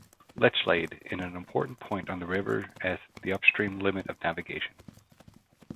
Lechlade in an important point on the river as the upstream limit of navigation.